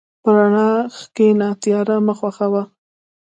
په رڼا کښېنه، تیاره مه خوښه وه.